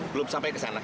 belum sampai ke sana